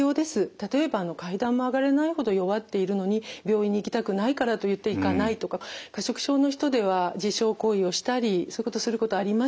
例えば階段も上がれないほど弱っているのに病院に行きたくないからといって行かないとか過食症の人では自傷行為をしたりそういうことすることあります。